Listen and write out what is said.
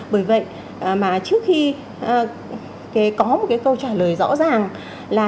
bởi vậy mà trước khi có một cái câu trả lời rõ ràng là